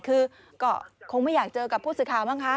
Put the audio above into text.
คือก็คงไม่อยากเจอกับผู้สื่อข่าวบ้างคะ